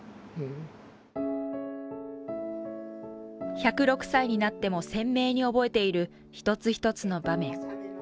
１０６歳になっても鮮明に覚えている一つ一つの場面。